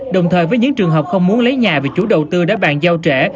đồng thời với những trường hợp không muốn lấy nhà vì chủ đầu tư đã bàn giao trẻ